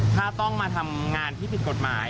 ถ้าต้องมาทำงานที่ผิดกฎหมาย